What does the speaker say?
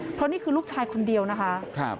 เพราะนี่คือลูกชายคนเดียวนะคะ